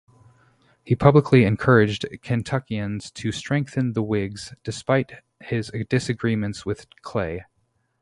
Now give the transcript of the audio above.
He publicly encouraged Kentuckians to strengthen the Whigs, despite his disagreements with Clay.